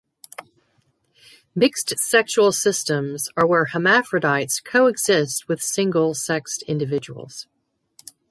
Mixed sexual systems are where hermaphrodites coexist with single sexed individuals.